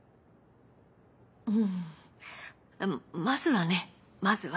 うんまずはねまずは。